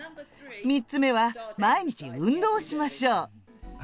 ３つ目は、毎日運動をしましょう。